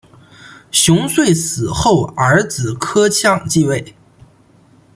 熊遂死后儿子柯相继位。